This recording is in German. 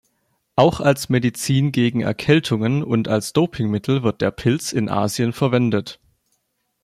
Auch als Medizin gegen Erkältungen und als Dopingmittel wird der Pilz in Asien verwendet.